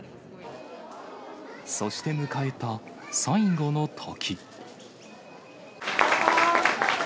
そして迎えた最後の時。